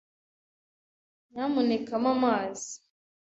Nyamuneka mpa amazi.